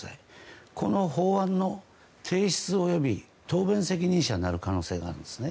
この法案の提出及び答弁責任者になる可能性があるんですね